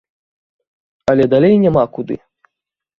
Але далей няма куды.